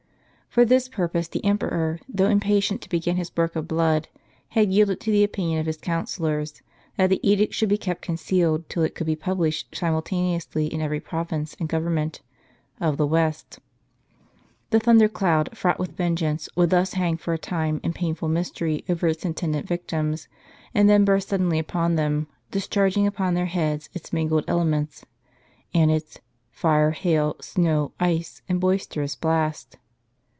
For this purpose the emperor, though impatient to begin his work of blood, had yielded to the opinion of his counsel lors, that the edict should be kept concealed till it could be published siumltaneously in every province, and government, of the West. The thundercloud, fraught with vengeance, would thus hang for a time, in painful mystery, over its intended victims, and then burst suddenly upon them, dis charging upon their heads its mingled elements, and its " fire, hail, snow, ice, and boisterous blast."